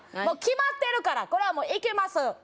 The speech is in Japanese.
もう決まってるからこれはもう行きます